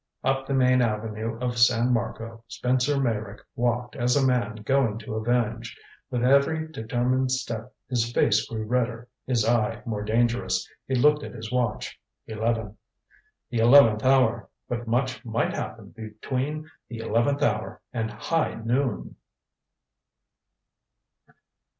Up the main avenue of San Marco Spencer Meyrick walked as a man going to avenge. With every determined step his face grew redder, his eye more dangerous. He looked at his watch. Eleven. The eleventh hour! But much might happen between the eleventh hour and high noon!